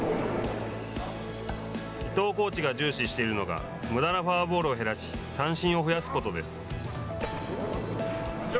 伊藤コーチが重視しているのがむだなフォアボールを減らし三振を増やすことです。